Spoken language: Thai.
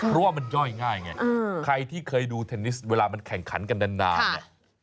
เพราะว่ามันย่อยง่ายไงใครที่เคยดูเทนนิสเวลามันแข่งขันกันนานเนี่ย